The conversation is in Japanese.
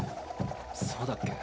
そうだっけ。